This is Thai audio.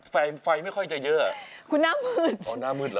ไฟไม่ค่อยจะเยอะคุณหน้ามืด